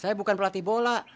saya bukan pelatih bola